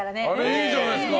いいじゃないですか。